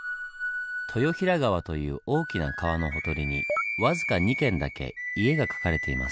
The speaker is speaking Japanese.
豊平川という大きな川のほとりに僅か２軒だけ家が描かれています。